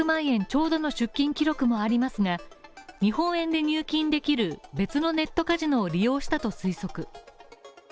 ちょうどの出金記録もありますが日本円で入金できる別のネットカジノを利用したと推測。